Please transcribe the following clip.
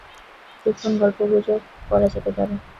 কিছুক্ষণ গল্পগুজব করা যেতে পারে।